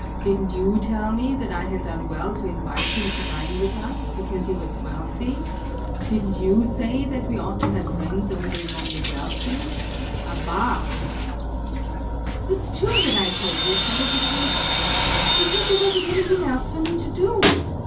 "Didn't you tell me that I had done well to invite him to dine with us, because he was wealthy? Didn't you say that we ought to have friends only among the wealthy? Abá!" "It's true that I told you so, because because there wasn't anything else for me to do.